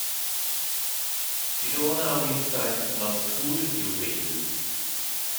Die Donau ist ein Naturjuwel.